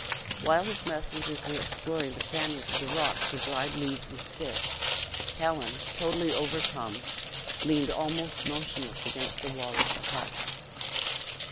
While his messengers were exploring the crannies of the rocks for dried leaves and sticks, Helen, totally overcome, leaned almost motionless against the wall of the hut.